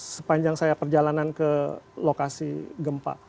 sepanjang saya perjalanan ke lokasi gempa